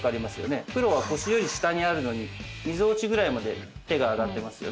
プロは腰より下にあるのにみぞおちぐらいまで手が上がってますよね。